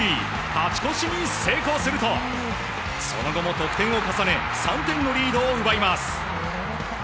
勝ち越しに成功するとその後も得点を重ね３点のリードを奪います。